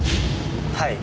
はい。